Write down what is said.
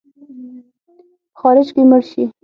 په خارج کې مړ سې.